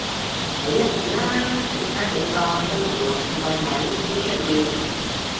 你一定啦，其他幾個因爲我見個名少出現